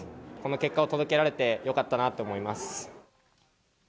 この結果を届けられて、よかったなと思います。